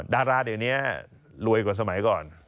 ดาราเดี๋ยวนี้รวยกว่าสมัยก่อน